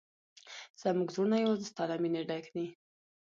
زموږ زړونه یوازې ستا له مینې ډک دي.